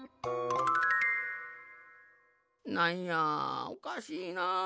なんやおかしいな。